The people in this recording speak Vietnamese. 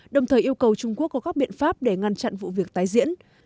đồng thời yêu cầu trung quốc có các biện pháp để ngăn chặn vụ việc tái diễn